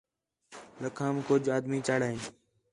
لَکھام کُج آدمی چڑھ آئن